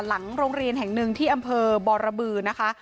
หลังโรงเรียนแห่งหนึ่งที่อำเภอบรบือนะคะ